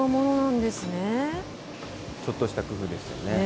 ちょっとした工夫ですよね。